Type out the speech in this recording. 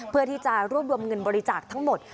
เพื่อที่จะรวบรวมเงินบริจาคทั้งหมด